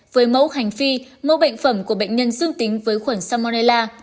với mẫu hành phi mẫu bệnh phẩm của bệnh nhân dương tính với khuẩn salmonella